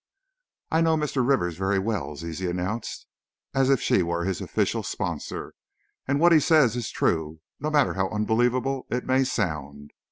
"I know Mr. Rivers very well," Zizi announced, as if she were his official sponsor, "and what he says is true, no matter how unbelievable it may sound.